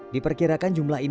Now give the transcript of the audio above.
diperkirakan jumlah individu